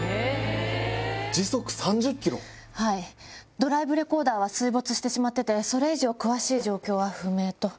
ドライブレコーダーは水没してしまっててそれ以上詳しい状況は不明と。